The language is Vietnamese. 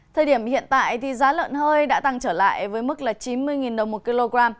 thời điểm hiện tại giá lợn hơi đã tăng trở lại với mức chín mươi đồng một kg